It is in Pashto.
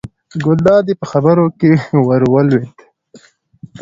ګلداد یې په خبرو کې ور ولوېد.